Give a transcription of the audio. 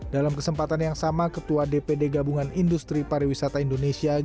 dalam kesempatan yang sama ketua dpd gabungan industri pariwisata indonesia